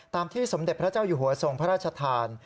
ที่สมเด็จพระเจ้าอยู่หัวทรงพระราชทาน